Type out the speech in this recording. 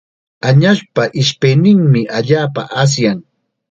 Añaspa ishpayninmi allaapa asyan.